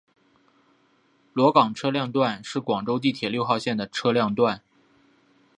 萝岗车辆段是广州地铁六号线的车辆段。